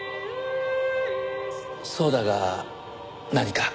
そうだが何か？